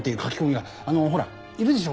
あのほらいるでしょ？